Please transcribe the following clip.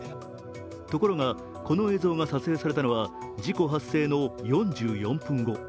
ところがこの映像が撮影されたのは事故発生の４４分後。